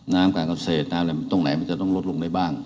การเกษตรน้ำอะไรตรงไหนมันจะต้องลดลงได้บ้าง